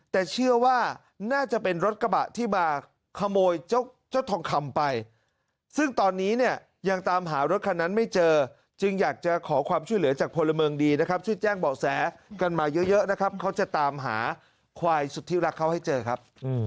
แต่เชื่อว่าน่าจะเป็นรถกระบะที่มาขโมยเจ้าทองคำไปซึ่งตอนนี้เนี่ยยังตามหารถคันนั้นไม่เจอจึงอยากจะขอความช่วยเหลือจากพลเมืองดีนะครับช่วยแจ้งเบาะแสกันมาเยอะนะครับเขาจะตามหาควายสุดที่รักเขาให้เจอครับ